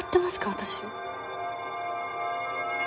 私を。